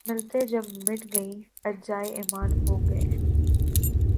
ملتیں جب مٹ گئیں‘ اجزائے ایماں ہو گئیں